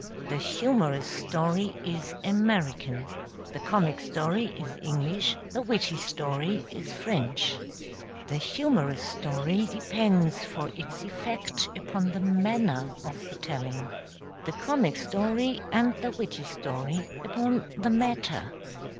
The humorous story is American, the comic story is English, the witty story is French. The humorous story depends for its effect upon the manner of the telling; the comic story and the witty story upon the matter.